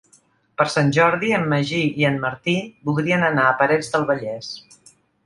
Per Sant Jordi en Magí i en Martí voldrien anar a Parets del Vallès.